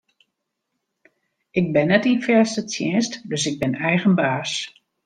Ik bin net yn fêste tsjinst, dus ik bin eigen baas.